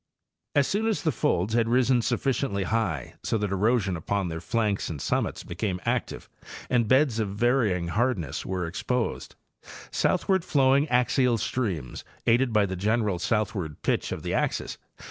As soon as the folds had risen sufficiently high so that erosion upon their flanks and summits became active and beds of varying hardness were exposed, southward flowing axial streams, aided by the general southward pitch of the axes, Karly Drainage Adjustments.